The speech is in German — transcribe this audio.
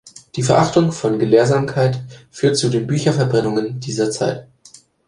Die Verachtung von Gelehrsamkeit führte zu den Bücherverbrennungen dieser Zeit.